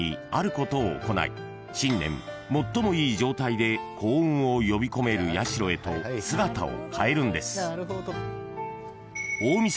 ［新年最もいい状態で幸運を呼び込める社へと姿を変えるんです］